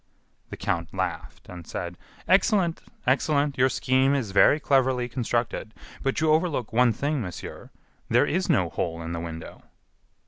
The count laughed and said: "Excellent! excellent! Your scheme is very cleverly constructed, but you overlook one thing, monsieur, there is no hole in the window."